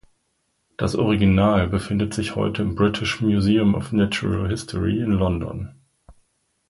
Das Original befindet sich heute im British Museum of Natural History in London.